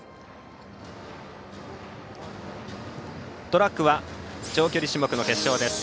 トラックは長距離種目の決勝です。